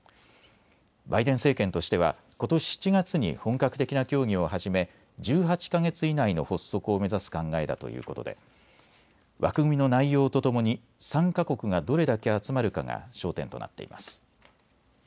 バイデン政権としてはことし７月に本格的な協議を始め１８か月以内の発足を目指す考えだということで枠組みの内容とともに参加国がどれだけ集まるかが焦点となっています。